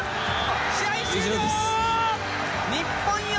試合終了！